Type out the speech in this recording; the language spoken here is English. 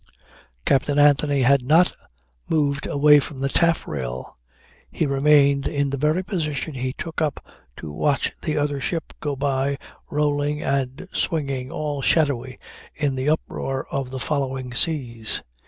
Captain Anthony had not moved away from the taffrail. He remained in the very position he took up to watch the other ship go by rolling and swinging all shadowy in the uproar of the following seas.